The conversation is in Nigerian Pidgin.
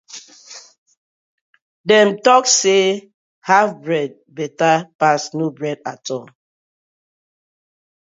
Dem dey tok say haf bread betta pass no bread atol.